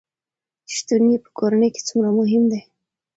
چې شتون يې په کورنے کې څومره مهم وي